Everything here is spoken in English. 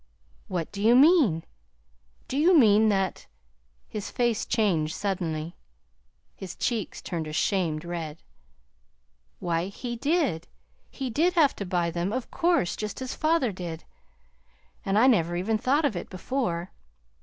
"What do you mean? Do you mean that " His face changed suddenly. His cheeks turned a shamed red. "Why, he did he did have to buy them, of course, just as father did. And I never even thought of it before!